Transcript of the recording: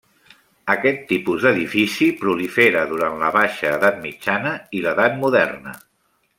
Aquest tipus d'edifici prolifera durant la baixa edat mitjana i l'edat moderna.